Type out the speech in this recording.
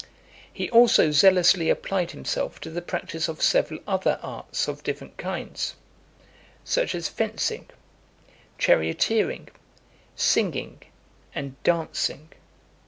LIV. He also zealously applied himself to the practice of several other arts of different kinds, such as fencing, charioteering, singing, and dancing.